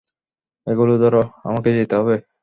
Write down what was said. এগুলো ধর, আমাকে যেতে হবে।